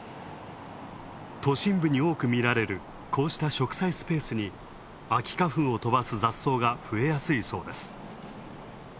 都心部に多く見られるこうした植栽スペースに秋花粉を飛ばす雑草が増えやすいそうです。